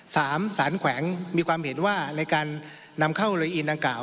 สารแขวงมีความเห็นว่าในการนำเข้าโลอีนดังกล่าว